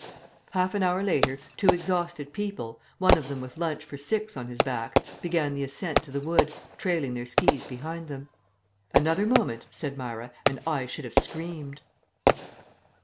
..... Half an hour later two exhausted people one of them with lunch for six on his back began the ascent to the wood, trailing their skis behind them. "Another moment," said Myra, "and I should have screamed."